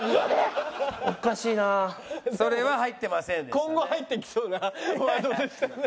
今後入ってきそうなワードでしたね。